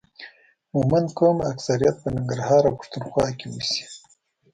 مومند قوم اکثریت په ننګرهار او پښتون خوا کې اوسي